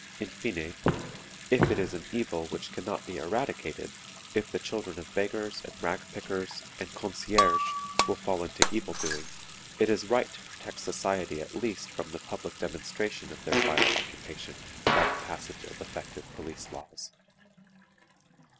In fine, if it is an evil which can not be eradicated, if the children of beggars, and rag pickers, and concièrges will fall into evil doing, it is right to protect society at least from the public demonstration of their vile occupation by the passage of effective police laws."